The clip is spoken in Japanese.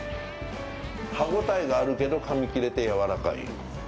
歯応えがあるけどかみ切れて、やわらかい。